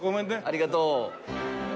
ありがとう。